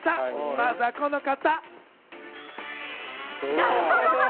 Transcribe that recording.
まずはこの方。